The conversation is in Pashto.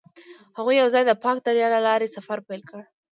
هغوی یوځای د پاک دریا له لارې سفر پیل کړ.